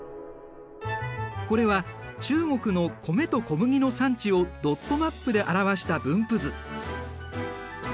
これは中国の米と小麦の産地をドットマップで表した分布図。